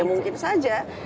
ya mungkin saja